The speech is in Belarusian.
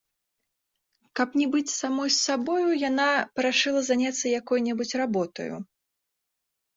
Каб не быць самой з сабою, яна парашыла заняцца якою-небудзь работаю.